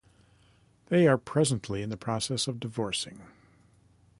They are presently in the process of divorcing.